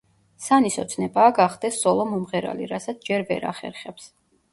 სანის ოცნებაა გახდეს სოლო მომღერალი, რასაც ჯერ ვერ ახერხებს.